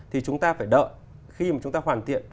thì chúng ta phải đợi khi mà chúng ta hoàn thiện